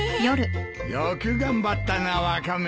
よく頑張ったなワカメ。